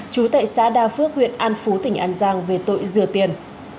chú tại xã đa phước huyện an phú tỉnh an giang về tội dừa tiền